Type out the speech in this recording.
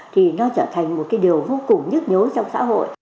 thì nó trở thành một cái điều vô cùng nhức nhối trong xã hội